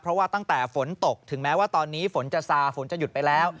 เพราะว่าตั้งแต่ฝนตกถึงแม้ว่าตอนนี้ฝนจะซาฝนจะหยุดไปแล้ว